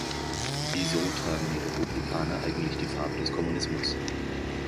Wieso tragen die Republikaner eigentlich die Farbe des Kommunismus?